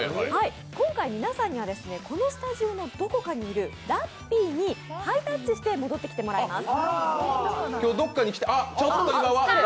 今回皆さんには、このスタジオのどこかにいるラッピーにハイタッチして戻ってきてもらいます。